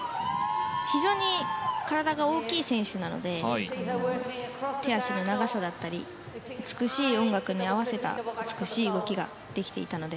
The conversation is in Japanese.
非常に体が大きい選手なので手足の長さだったり美しい音楽に合わせた美しい動きができていたので。